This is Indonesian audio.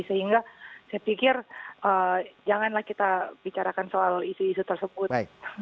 sehingga saya pikir janganlah kita bicarakan soal isu isu tersebut